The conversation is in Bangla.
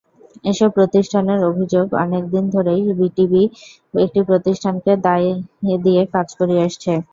এসব প্রতিষ্ঠানের অভিযোগ, অনেক দিন ধরেই বিটিবি একটি প্রতিষ্ঠানকে দিয়ে কাজ করিয়ে আসছে।